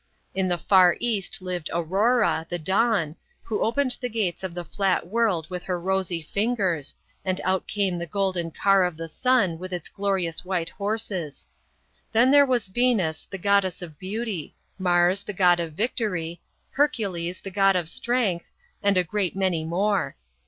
In the far east lived Aurora, the dawn, who opened the gates of the flat world wi+h her rosy fingers, and out came the golden car of the sun with its glorious white horses. Then there was Venus, the goddess of beauty ; Mars, the god of victory ; Hercules, the god of strength, and a great many more.